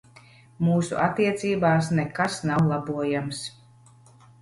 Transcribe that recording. Mūsu attiecībās nekas nav labojams.